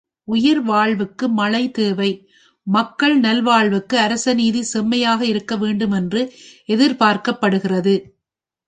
உயிர்வாழ்வுக்கு மழை தேவை மக்கள் நல்வாழ்வுக்கு அரசநீதி செம்மையாக இருக்க வேண்டும் என்று எதிர் பார்க்கப்படுகிறது.